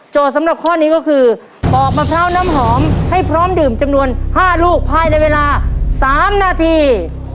สำหรับข้อนี้ก็คือปอกมะพร้าวน้ำหอมให้พร้อมดื่มจำนวน๕ลูกภายในเวลา๓นาที